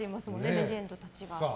レジェンドたち。